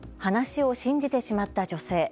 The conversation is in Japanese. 話を信じてしまった女性。